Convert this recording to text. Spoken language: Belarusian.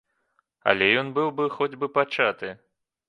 Але ён быў бы хоць бы пачаты!